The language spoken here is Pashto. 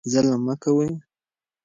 ظلم مه کوئ.